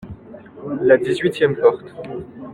La dix-huitième porte.